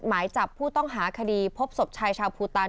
หมายจับผู้ต้องหาคดีพบศพชายชาวภูตัน